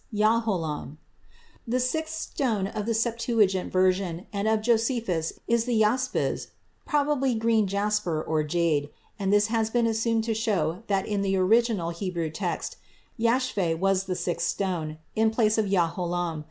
Yahalom. [יַהֲלֹם] The sixth stone of the Septuagint version and of Josephus is the ἴασπις, probably green jasper, or jade, and this has been assumed to show that in the original Hebrew text yashpheh was the sixth stone, in place of yahalom.